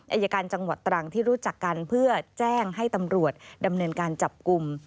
อายการจังหวัดตรังที่รู้จักกันเพื่อแจ้งให้ตำรวจดำเนินการจับกลุ่ม